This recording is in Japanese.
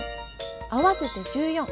合わせて１４。